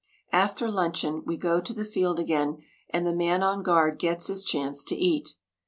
After luncheon we go to the field again, and the man on guard gets his chance to eat.